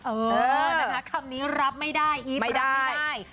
เออนะคะคำนี้รับไม่ได้อีฟรับไม่ได้